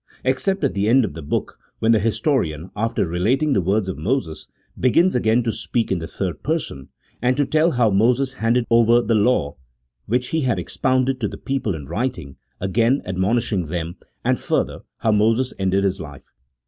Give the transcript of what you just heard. Except at the end of the book, when the historian, after relating the words of Moses, begins again to speak in the third person, and to tell how Moses handed over the law which he had expounded to the people in writing, again admonishing them, and further, how Moses ended his life.